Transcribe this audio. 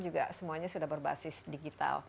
juga semuanya sudah berbasis digital